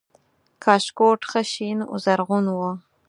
کاشکوټ ښه شین و زرغون و